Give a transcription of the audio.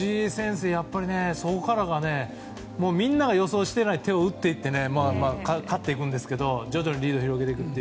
そこからがみんなが予想していない手を打っていって勝っていくんですけど徐々にリードを広げて。